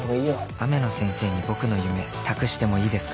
「雨野先生に僕の夢託してもいいですか？」